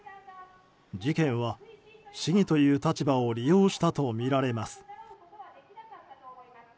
事件は市議という立場を利用したとみられます。